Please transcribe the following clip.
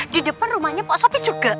di depan rumahnya pak sopi juga